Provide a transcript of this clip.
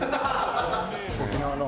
沖縄の。